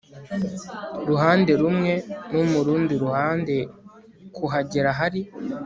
ruhande rumwe no mu rundi ruhande kuhagera hari